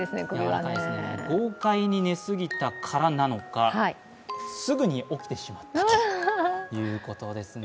豪快に寝過ぎたからなのか、すぐに起きてしまったということですね。